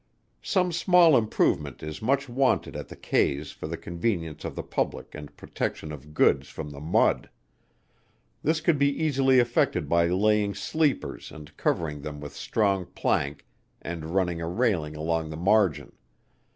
Some small improvement is much wanted at the Quays for the convenience of the Public and protection of Goods from the mud. This could be easily effected by laying sleepers and covering them with strong plank and running a railing along the margin.